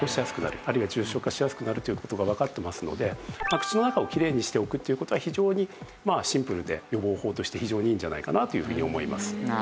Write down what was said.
あるいは重症化しやすくなるという事がわかってますので口の中をきれいにしておくという事は非常にシンプルで予防法として非常にいいんじゃないかなというふうに思います。